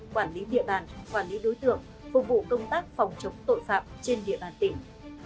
quản lý địa bàn quản lý đối tượng phục vụ công tác phòng chống tội phạm trên địa bàn tỉnh